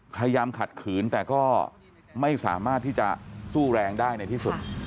ขัดขืนแต่ก็ไม่สามารถที่จะสู้แรงได้ในที่สุด